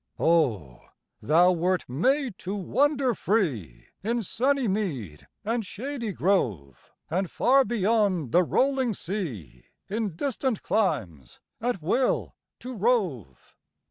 Oh, thou wert made to wander free In sunny mead and shady grove, And far beyond the rolling sea, In distant climes, at will to rove!